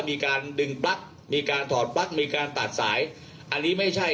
มีการดึงปลั๊กมีการถอดปลั๊กมีการตัดสายอันนี้ไม่ใช่